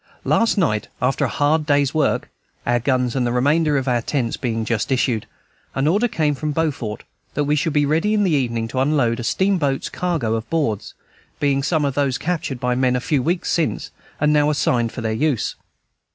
Last night, after a hard day's work (our guns and the remainder of our tents being just issued), an order came from Beaufort that we should be ready in the evening to unload a steamboat's cargo of boards, being some of those captured by them a few weeks since, and now assigned for their use.